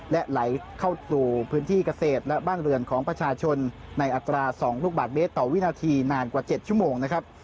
และไหลเข้าสู่พื้นที่เกษตรและบ้านเรือนของประชาชนในอัตรา๒ลูกบาทเมตรต่อวินาทีนานกว่า๗ชั่วโมงนะครับ